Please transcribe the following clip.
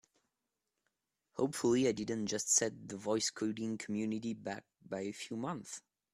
Hopefully I didn't just set the voice coding community back by a few months!